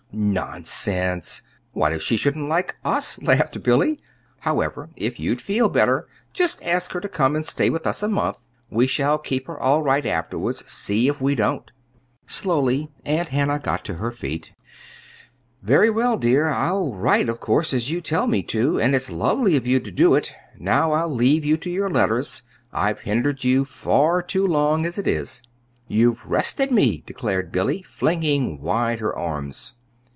"Nonsense! What if she shouldn't like us?" laughed Billy. "However, if you'd feel better, just ask her to come and stay with us a month. We shall keep her all right, afterwards. See if we don't!" Slowly Aunt Hannah got to her feet. "Very well, dear. I'll write, of course, as you tell me to; and it's lovely of you to do it. Now I'll leave you to your letters. I've hindered you far too long, as it is." "You've rested me," declared Billy, flinging wide her arms.